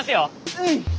うん。